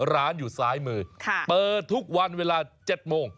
ร้านอยู่ซ้ายมือเปิดทุกวันเวลา๗โมง